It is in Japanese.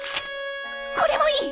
これもいい！